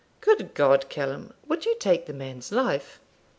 'Good God, Callum, would you take the man's life?'